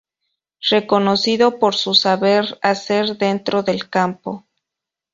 Reconocido por su saber hacer dentro del campo.